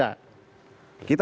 salah tidak bisa